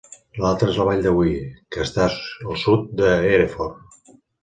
L'altra és la vall del Wye, que està al sud de Hereford.